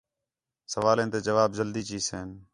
سوالیں تے جواب جلدی چِیسن